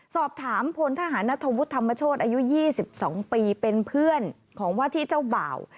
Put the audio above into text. สอบถามพลทหารนัทธวุฒิธรรมโชธอายุ๒๒ปีเป็นเพื่อนของว่าที่เจ้าบ่าว